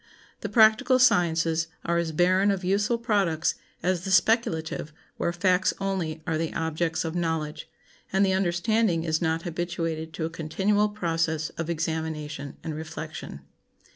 The practical sciences are as barren of useful products as the speculative where facts only are the objects of knowledge, and the understanding is not habituated to a continual process of examination and reflection.